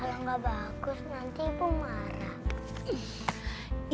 kalau gak bagus nanti bu marah